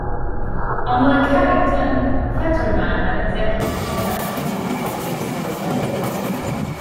Unlike Carrington, Fetterman had extensive combat experience during the Civil War.